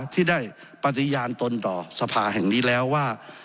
ที่ได้ปฏิญาณตนต่อสภาแห่งนี้แล้วว่า